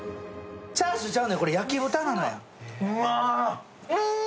チャーシューちゃうねん焼き豚なんや。